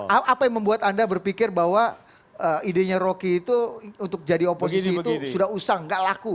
apa yang membuat anda berpikir bahwa idenya rocky itu untuk jadi oposisi itu sudah usang gak laku